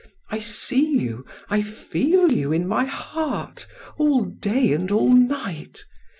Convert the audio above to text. I see you, I feel you, in my heart all day and all night.